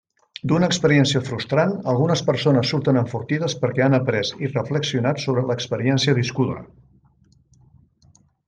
D'una experiència frustrant algunes persones surten enfortides perquè han après i reflexionat sobre l'experiència viscuda.